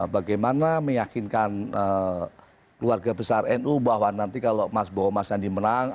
bagaimana meyakinkan keluarga besar nu bahwa nanti kalau mas bohomas yang dimenang